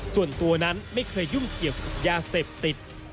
ส่วนตัวนั้นไม่เคยยุ่งเกี่ยวกับยาเสพติด